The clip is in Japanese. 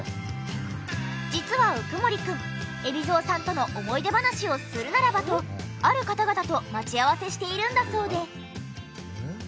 実は鵜久森くん海老蔵さんとの思い出話をするならばとある方々と待ち合わせしているんだそうで。